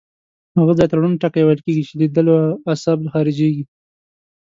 هغه ځای ته ړوند ټکی ویل کیږي چې لیدلو عصب خارجیږي.